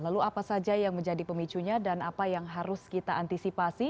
lalu apa saja yang menjadi pemicunya dan apa yang harus kita antisipasi